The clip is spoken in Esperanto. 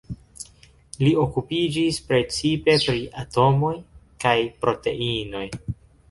Li okupiĝis precipe pri atomoj kaj proteinoj.